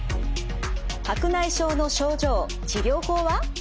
白内障の症状治療法は？